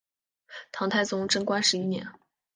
唐太宗贞观十一年。